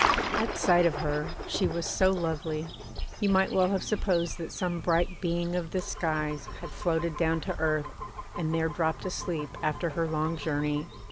At sight of her, she was so lovely, you might well have supposed that some bright being of the skies had floated down to earth and there dropped asleep after her long journey.